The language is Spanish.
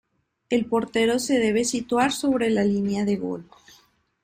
El portero se debe situar sobre la línea de gol.